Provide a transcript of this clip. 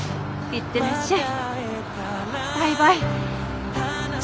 行ってらっしゃい！